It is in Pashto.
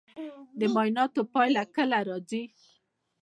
د معایناتو پایله کله راځي؟